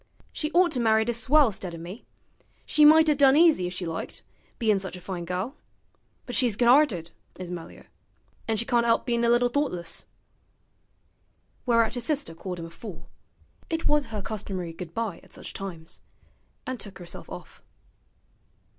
She ought to married a swell 'stead o' me; she might 'a' done easy if she liked, bein' sich a fine gal; but she's good 'arted, is Melier; an' she can't 'elp bein' a bit thoughtless.' Whereat his sister called him a fool (it was her customary goodbye at such times), and took herself off.